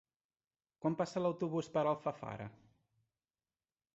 Quan passa l'autobús per Alfafara?